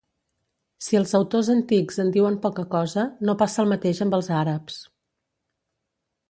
Si els autors antics en diuen poca cosa, no passa el mateix amb els àrabs.